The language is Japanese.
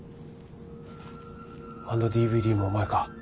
あのＤＶＤもお前か。